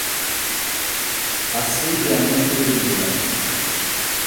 Ha sede a Montebelluna.